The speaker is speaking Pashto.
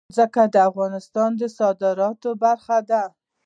ځمکه د افغانستان د صادراتو برخه ده.